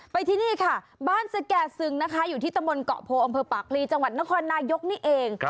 ที่นี่ค่ะบ้านสแก่ซึงนะคะอยู่ที่ตะมนต์เกาะโพอำเภอปากพลีจังหวัดนครนายกนี่เอง